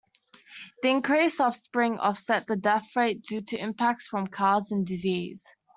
The increased offspring offset the death rate due to impacts from cars and disease.